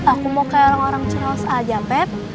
aku mau ke orang orang celos aja pep